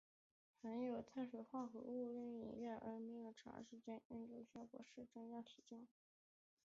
喝含有碳水化合物的运动饮料而没有长时间运动的效果是体重增加。